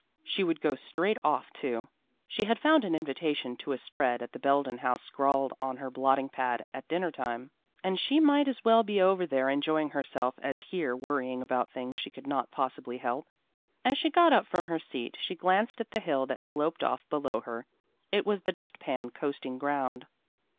She would go straight off too. She had found an invitation to a spread at the Belden house scrawled on her blotting pad at dinner time, and she might as well be over there enjoying herself as here worrying about things she could not possibly help. As she got up from her seat she glanced at the hill that sloped off below her. It was the dust pan coasting ground.